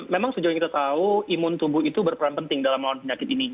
memang sejauh yang kita tahu imun tubuh itu berperan penting dalam melawan penyakit ini